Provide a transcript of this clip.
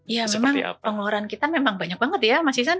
ya memang pengeluaran kita memang banyak banget ya mas isan